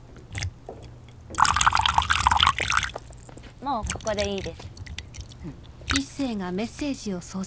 もうここでいいです。